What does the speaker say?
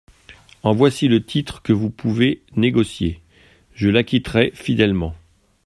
En voici le titre que vous pouvez négocier, je l'acquitterai fidèlement.